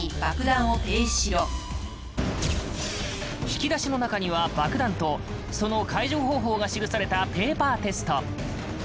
引き出しの中には爆弾とその解除方法が記されたペーパーテスト。